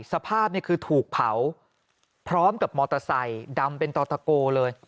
สภาพเนี่ยคือถูกเผาพร้อมกับมอเตอร์ไซค์ดำเป็นต่อตะโกเลย